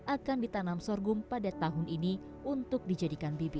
akan ditanam sorghum pada tahun ini untuk dijadikan bibit